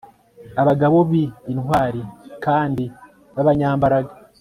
abagabo bi intwari kandi b abanyambaraga